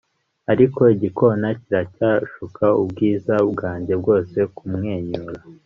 ariko igikona kiracyashuka ubwiza bwanjye bwose kumwenyura